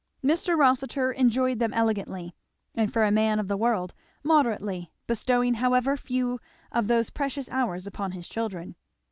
Mr. Rossitur enjoyed them elegantly, and for a man of the world, moderately, bestowing however few of those precious hours upon his children.